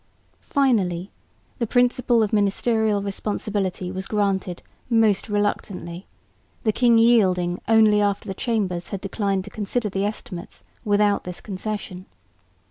Finally the principle of ministerial responsibility was granted most reluctantly, the king yielding only after the Chambers had declined to consider the estimates without this concession.